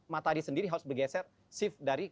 matahari sendiri harus bergeser shift dari